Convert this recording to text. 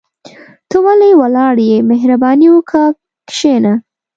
ته ولي ولاړ يى مهرباني وکاه کشينه